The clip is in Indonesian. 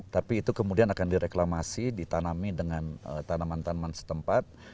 tapi itu kemudian akan direklamasi ditanami dengan tanaman tanaman setempat